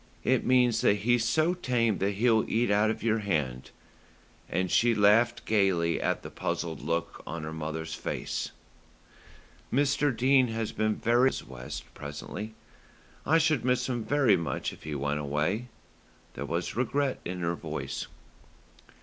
It means that he's so tame that he'll eat out of your hand;" and she laughed gaily at the puzzled look on her mother's face. "Mr. Dene has been very kind," said Mrs. West presently. "I should miss him very much if he went away." There was regret in her voice.